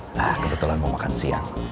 nah kebetulan mau makan siang